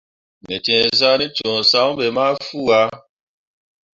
Me ceezah te cũũ san ɓe mah fuu ah.